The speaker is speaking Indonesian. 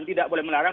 tidak boleh melarang